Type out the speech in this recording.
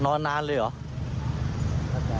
นอนนานเลยเหรอ